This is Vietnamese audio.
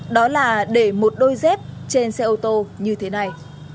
đó là để một đôi dép trên xe ô tô như thế này